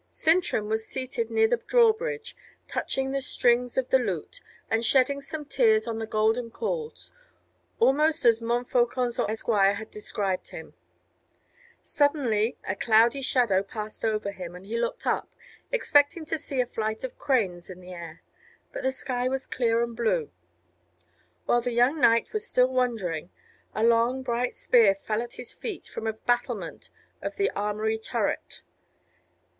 Sintram was seated near the drawbridge, touching the strings of the lute, and shedding some tears on the golden chords, almost as Montfaucon's esquire had described him. Suddenly a cloudy shadow passed over him, and he looked up, expecting to see a flight of cranes in the air; but the sky was clear and blue. While the young knight was still wondering, a long bright spear fell at his feet from a battlement of the armoury turret.